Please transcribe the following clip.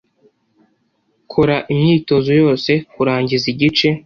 Kora imyitozo yose kurangiza igice.